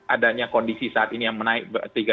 adanya kondisi saat ini yang menaik tiga ratus